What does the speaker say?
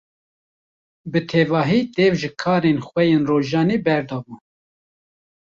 Bi tevahî dev ji karên xwe yên rojane berdabû.